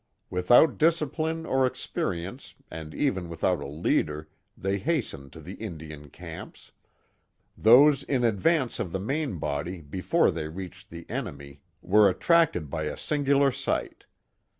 Without discipline or experience and even without a leader they hastened to the Indian camps. Those in advance of the main body before they reached the en emy were attracted by a singular sight.